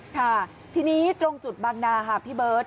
ค่ะทีนี้ตรงจุดบางนาค่ะพี่เบิร์ต